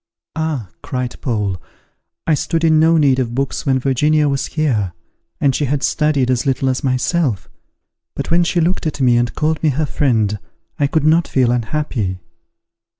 "Ah!" cried Paul, "I stood in no need of books when Virginia was here, and she had studied as little as myself; but when she looked at me, and called me her friend, I could not feel unhappy."